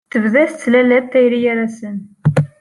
Tebda tettlal-d tayri gar-asen.